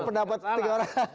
pendapat tiga orang